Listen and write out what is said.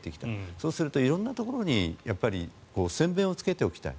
そうすると色んなところに先べんをつけておきたい。